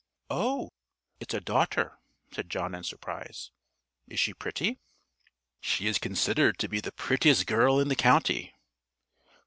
"Oh, it's a daughter?" said John in surprise. "Is she pretty?" "She is considered to be the prettiest girl in the county."